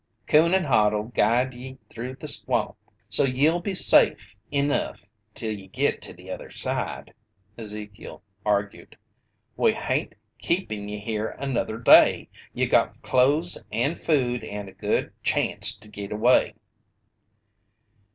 "Coon and Hod'll guide ye through the swamp, so ye'll be safe enough till ye git to the other side," Ezekiel argued. "We hain't keepin' ye here another day. You got clothes and food and a good chanst to git away."